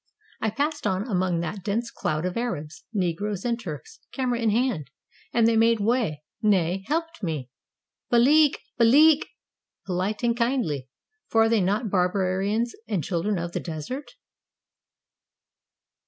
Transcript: I passed on among that dense crowd of Arabs, Negroes, and Turks, camera in hand, and they made way — nay, helped me! "Balek," "Balek" — pohte and kindly, for are they not barbarians and children of the Desert?